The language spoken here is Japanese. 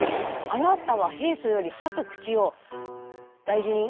あなたは平素より歯と口を大事に。